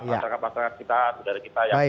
masyarakat masyarakat kita saudara kita yang